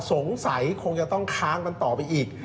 สงสัยคงจะต้องค้างกันต่อไปอีก